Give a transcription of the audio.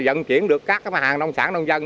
dẫn chuyển được các hàng nông sản nông dân